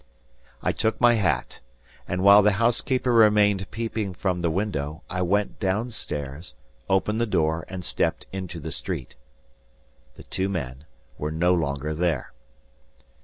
I took my hat; and while the housekeeper remained peeping from the window, I went down stairs, opened the door, and stepped into the street. The two men were no longer there.